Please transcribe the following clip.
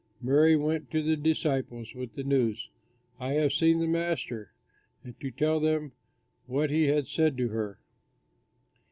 '" Mary went to the disciples with the news, "I have seen the Master," and to tell them what he had said to her.